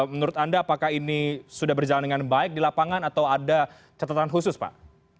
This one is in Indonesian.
menurut anda apakah ini sudah berjalan dengan baik di lapangan atau ada catatan khusus pak